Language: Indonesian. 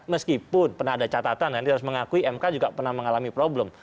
meskipun pernah ada catatan nanti harus mengakui mk juga pernah mengalami problem